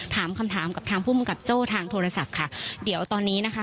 ถามคำถามกับทางภูมิกับโจ้ทางโทรศัพท์ค่ะเดี๋ยวตอนนี้นะคะ